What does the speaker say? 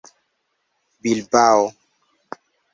bilbao